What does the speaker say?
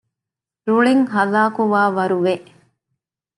ރުޅިން ހަލާކުވާވަރު ވެ